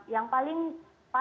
yang paling empat dan mudahnya